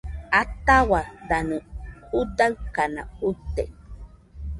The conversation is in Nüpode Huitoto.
Ataua danɨ judaɨkana uite